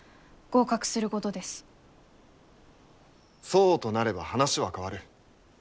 そうとなれば話は変わる。